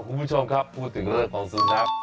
คุณผู้ชมครับพูดถึงเรื่องของสุนัข